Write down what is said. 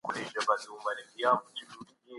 دغه حاجي دونه ښه دی چي هر وخت په مینه دعاګاني کوی.